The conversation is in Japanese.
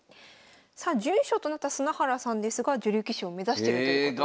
さあ準優勝となった砂原さんですが女流棋士を目指してるということで。